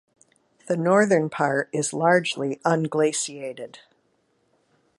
The northern part is largely unglaciated.